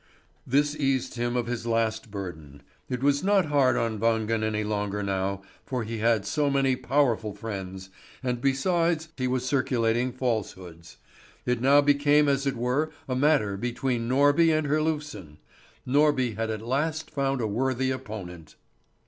This eased him of his last burden. It was not hard on Wangen any longer now, for he had so many powerful friends, and besides he was circulating falsehoods. It now became as it were a matter between Norby and Herlufsen. Norby had at last found a worthy opponent.